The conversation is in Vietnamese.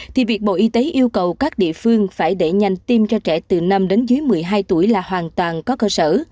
thì việc bộ y tế yêu cầu các địa phương phải đẩy nhanh tiêm cho trẻ từ năm đến dưới một mươi hai tuổi là hoàn toàn có cơ sở